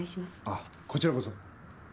ああこちらこそ。